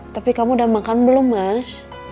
tapi kamu udah makan belum mas